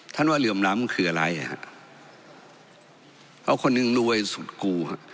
ว่าเหลื่อมล้ำคืออะไรอ่ะฮะเอาคนหนึ่งรวยสุดกูฮะ